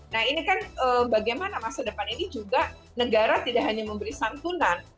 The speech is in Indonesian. nah ini kan bagaimana masa depan ini juga negara tidak hanya memberi santunan